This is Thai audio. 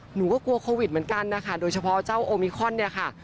หนูก็กลัวโควิดเหมือนกันนะคะโดยเฉพาะเจ้าโอมิคอนเนี่ยค่ะ